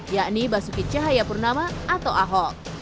yakni basuki cahayapurnama atau ahok